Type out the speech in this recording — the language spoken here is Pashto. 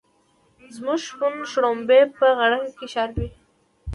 زموږ شپون شړومبی په غړکه کې شاربي.